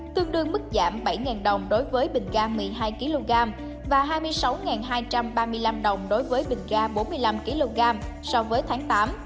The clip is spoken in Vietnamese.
tương đương mức giảm bảy đồng đối với bình ga một mươi hai kg và hai mươi sáu hai trăm ba mươi năm đồng đối với bình ga bốn mươi năm kg